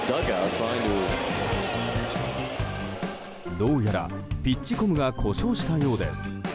どうやら、ピッチコムが故障したようです。